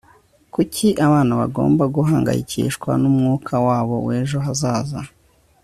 kuki abana bagomba guhangayikishwa n'umwuka wabo w'ejo hazaza